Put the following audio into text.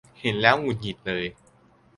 เห็นแล้วหงุดหงิดเลย